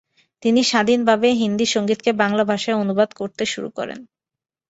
তিনি স্বাধীনভাবে হিন্দী সঙ্গীতকে বাংলা ভাষায় অনুবাদ করতে শুরু করেন।